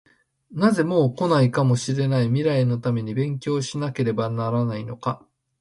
なぜ、もう来ないかもしれない未来のために勉強しなければならないのか？